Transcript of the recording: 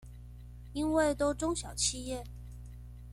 因為都中小企業？